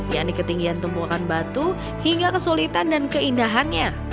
yang di ketinggian tumbukan batu hingga kesulitan dan keindahannya